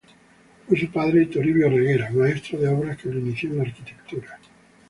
Fue su padre Toribio Reguera, maestro de obras que lo inició en la arquitectura.